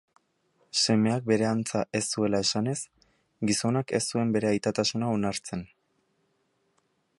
Semeak bere antza ez zuela esanez, gizonak ez zuen bere aitatasuna onartzen.